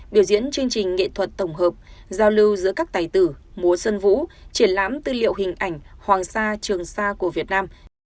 biểu diễn chương trình nghệ thuật tổng hợp giao lưu giữa các tài tử múa sân vũ triển lãm tư liệu hình ảnh hoàng sa trường sa của việt nam